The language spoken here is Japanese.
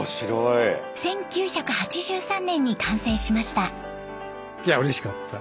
１９８３年に完成しました。